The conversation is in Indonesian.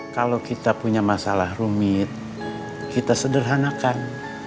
kalau kita punya masalah rumit kita sederhanakan